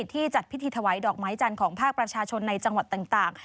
ที่จัดพิธีถวายดอกไม้จันทร์ของภาคประชาชนในจังหวัดต่าง